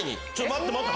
待って待って！